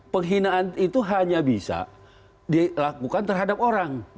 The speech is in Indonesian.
penghinaan itu hanya bisa dilakukan terhadap orang